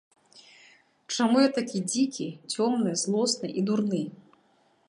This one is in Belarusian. Чаму я такі дзікі, цёмны, злосны і дурны?